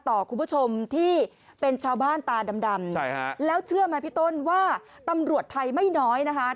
คุณผู้ชมที่เป็นชาวบ้านตาดำแล้วเชื่อไหมพี่ต้นว่าตำรวจไทยไม่น้อยนะคะ